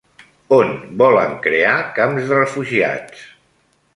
On volen crear camps de refugiats?